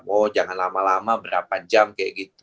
oh jangan lama lama berapa jam kayak gitu